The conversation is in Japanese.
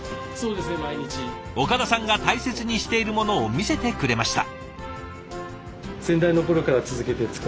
岡田さんが大切にしているものを見せてくれました。